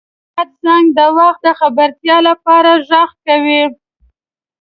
• د ساعت زنګ د وخت د خبرتیا لپاره ږغ کوي.